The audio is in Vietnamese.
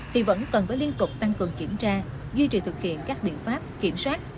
thì vẫn cần có liên cục tăng cường kiểm tra duy trì thực hiện các biện pháp kiểm soát